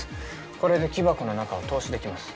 これで木箱の中を透視できます。